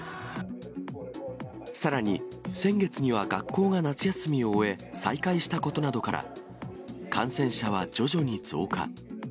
さらに先月には学校が夏休みを終え、再開したことなどから、感染者は徐々に増加。